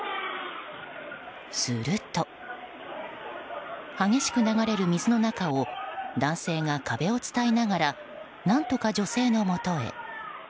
すると、激しく流れる水の中を男性が壁を伝いながら何とか女性のもとへ。